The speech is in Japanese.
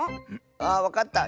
あわかった。